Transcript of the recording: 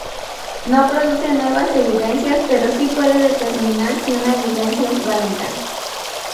No produce nuevas evidencias, pero sí puede determinar si una evidencia es válida.